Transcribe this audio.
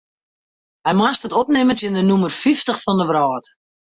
Hy moast it opnimme tsjin de nûmer fyftich fan de wrâld.